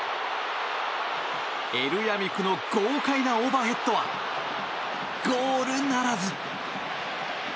エルヤミクの豪快なオーバーヘッドはゴールならず。